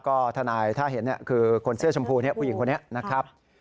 ก็ทนายถ้าเห็นคือคนเสื้อชมพูผู้หญิงคนนี้นะครับ